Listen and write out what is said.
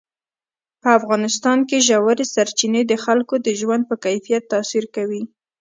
په افغانستان کې ژورې سرچینې د خلکو د ژوند په کیفیت تاثیر کوي.